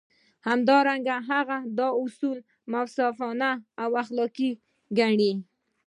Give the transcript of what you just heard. همدارنګه هغه دا اصول منصفانه او اخلاقي ګڼي.